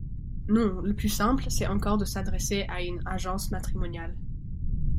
Non, le plus simple, c'est encore de s'adresser à une agence matrimoniale.